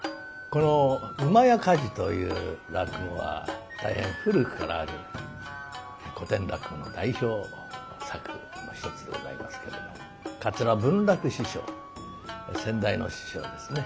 この「厩火事」という落語は大変古くからある古典落語の代表作の一つでございますけれども桂文楽師匠先代の師匠ですね